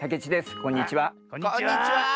こんにちは！